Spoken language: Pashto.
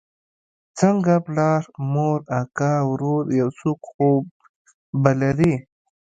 څنگه پلار مور اکا ورور يو څوک خو به لرې.